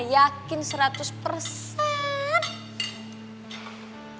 yakin seratus persen